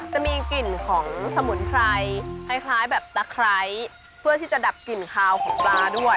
จะมีกลิ่นของสมุนไพรคล้ายแบบตะไคร้เพื่อที่จะดับกลิ่นคาวของปลาด้วย